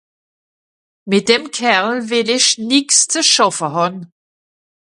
Mìt dem Kerl wìll ìch nìx ze schàffe hàn.